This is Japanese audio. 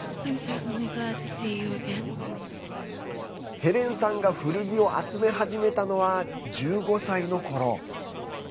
ヘレンさんが古着を集め始めたのは１５歳のころ。